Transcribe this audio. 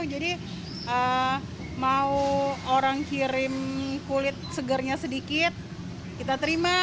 jadi mau orang kirim kulit segarnya sedikit kita terima